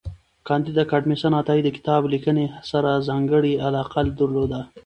کانديد اکاډميسن عطایي د کتاب لیکنې سره ځانګړی علاقه درلوده.